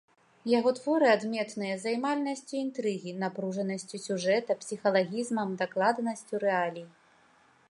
Яго творы адметныя займальнасцю інтрыгі, напружанасцю сюжэта, псіхалагізмам, дакладнасцю рэалій.